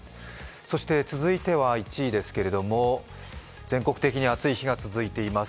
そして続いては１位ですけど、全国的に暑い日が続いています。